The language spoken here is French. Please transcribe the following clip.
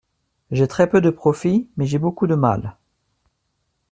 J’ai très peu de profits ; mais j’ai beaucoup de mal.